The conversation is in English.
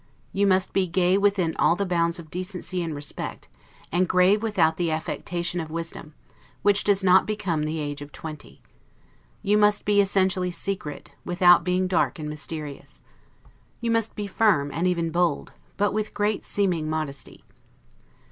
You must be gay within all the bounds of decency and respect; and grave without the affectation of wisdom, which does not become the age of twenty. You must be essentially secret, without being dark and mysterious. You must be firm, and even bold, but with great seeming modesty.